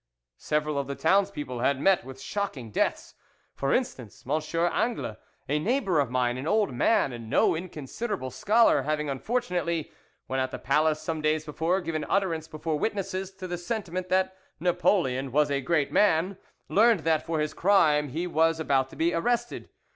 "Several of the townspeople had met with shocking deaths. For instance, M. Angles, a neighbour of mine, an old man and no inconsiderable scholar, having unfortunately, when at the palace some days before, given utterance before witnesses to the sentiment that Napoleon was a great man, learned that for this crime he was about to be arrested.